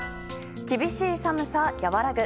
厳しい寒さ、和らぐ。